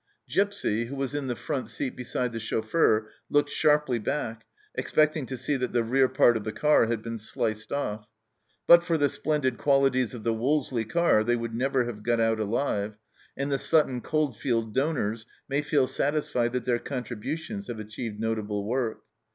Gipsy, who was in the front seat beside the chauffeur, looked sharply back, expecting to see that the rear part of the car had been sliced off. But for the splendid qualities of the Wolseley car they would never have got out alive, and the Sutton Coldfield donors may feel satisfied that their contributions have achieved notable work.